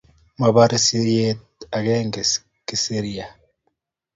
Maborei siyeet agenge kisiria